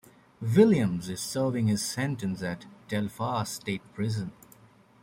Williams is serving his sentence at Telfair State Prison.